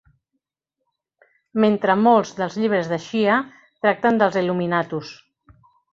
Mentre molts dels llibres de Shea tracten dels Illuminatus!